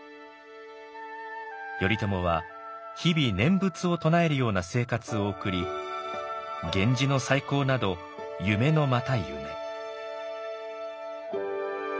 頼朝は日々念仏を唱えるような生活を送り源氏の再興など夢のまた夢。